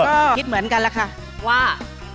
ก็คิดเหมือนกันแหละค่ะว่า